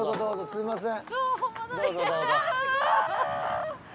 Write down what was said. すいません。